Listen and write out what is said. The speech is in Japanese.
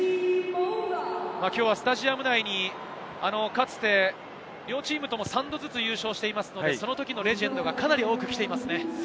きょうはスタジアム内にかつて両チームとも、３度ずつ優勝していますので、そのときのレジェンドが、かなり多く来ていますね。